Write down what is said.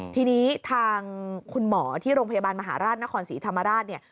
ทีนี้ทางคุณหมอที่โรงพยาบาลมหาราชนครศรีธรรมราชเนี่ย